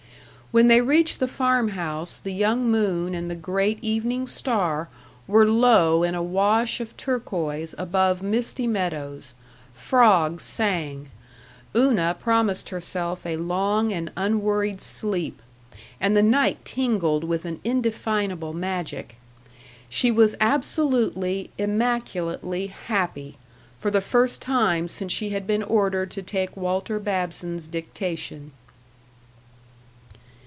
When they reached the farm house the young moon and the great evening star were low in a wash of turquoise above misty meadows; frogs sang; Una promised herself a long and unworried sleep; and the night tingled with an indefinable magic. She was absolutely, immaculately happy, for the first time since she had been ordered to take Walter Babson's dictation.